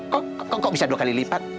kok kok kok bisa dua kali lipat